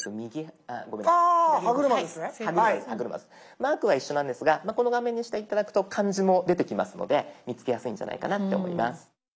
マークは一緒なんですがこの画面にして頂くと漢字も出てきますので見つけやすいんじゃないかなって思います。